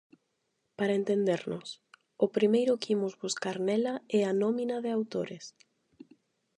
Para entendernos: o primeiro que imos buscar nela é a nómina de autores.